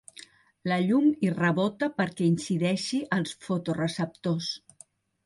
La llum hi rebota perquè incideixi als fotoreceptors.